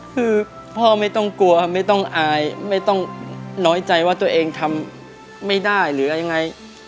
คือพ่อไม่ต้องกลัวไม่ต้องอายไม่ต้องน้อยใจว่าตัวเองทำไม่ได้หรือยังไง